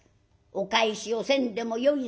お返しをせんでもよいぞ」。